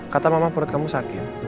kamu mau ngobrol sebentar sama andin